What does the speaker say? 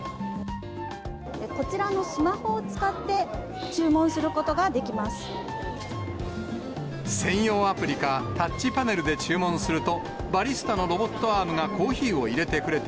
こちらのスマホを使って、専用アプリか、タッチパネルで注文すると、バリスタのロボットアームがコーヒーをいれてくれて。